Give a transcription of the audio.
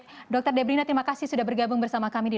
pak ardebrina terima kasih sudah bergabung bersama kami di